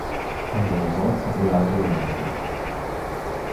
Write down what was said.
And the results of the Algerian team.